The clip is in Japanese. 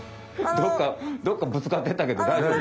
どっかぶつかってたけど大丈夫？